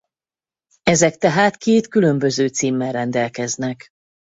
Ezek tehát két különböző címmel rendelkeznek.